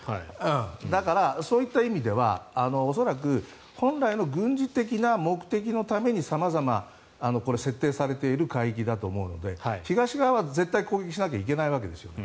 だから、そういった意味では恐らく本来の軍事的な目的のために様々設定されている海域だと思うので東側は絶対攻撃しなきゃいけないわけです。